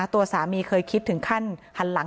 ตัวสามีเคยคิดถึงขั้นหันหลัง